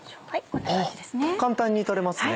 あっ簡単に取れますね。